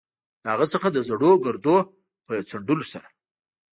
له هغه څخه د زړو ګردونو په څنډلو سره.